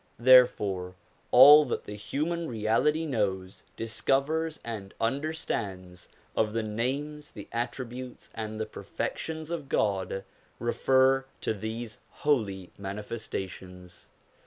Therefore all that the human reality knows, discovers, and under stands of the names, the attributes, and the perfections of God, refer to these Holy Manifestations.